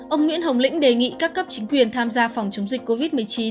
ông nguyễn hồng lĩnh đề nghị các cấp chính quyền tham gia phòng chống dịch covid một mươi chín